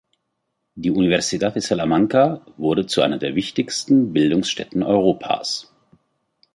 Die "Universidad de Salamanca" wurde zu einer der wichtigsten Bildungsstätten Europas.